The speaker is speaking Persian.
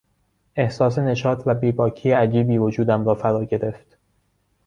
احساس نشاط و بیباکی عجیبی وجودم را فراگرفت.